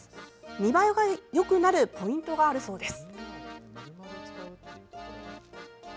見栄えがよくなるポイントがあるそうです。